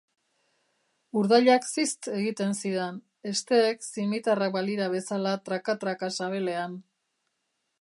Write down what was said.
Urdailak zizt egiten zidan, hesteek zimitarrak balira bezala traka-traka sabelean.